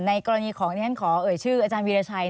กรณีของที่ฉันขอเอ่ยชื่ออาจารย์วีรชัย